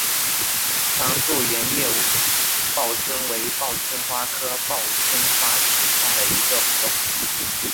长蒴圆叶报春为报春花科报春花属下的一个种。